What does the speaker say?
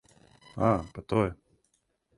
А, па то је.